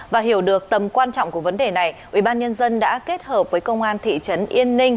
và hiểu được tầm quan trọng của vấn đề này ubnd đã kết hợp với công an thị trấn yên ninh